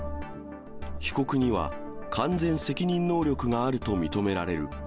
被告には、完全責任能力があると認められる。